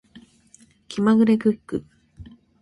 気まぐれクック